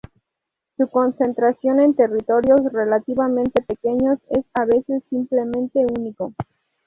Su concentración en territorios relativamente pequeños es a veces simplemente único.